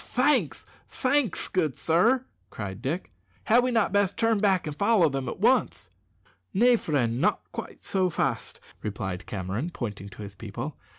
"Thanks, thanks, good sir," cried Dick. "Had we not best turn back and follow them at once?" "Nay, friend, not quite so fast," replied Cameron, pointing to his people.